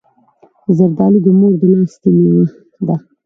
زردالو د مور د لاستی مېوه ده.